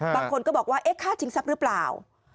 บางคนก็บอกว่าเอ๊ะฆ่าชิงทรัพย์หรือเปล่า